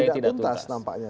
tidak tuntas nampaknya